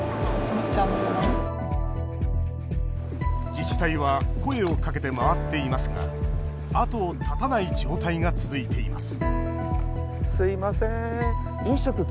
自治体は声をかけて回っていますが後を絶たない状態が続いています